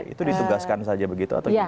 itu ditugaskan saja begitu atau gimana